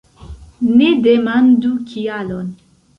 Ne demandu kialon!